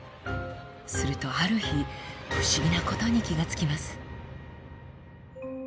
するとある日不思議なことに気が付きます。